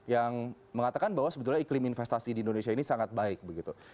yang mengatakan bahwa sebetulnya iklim investasi di indonesia ini sangat baik begitu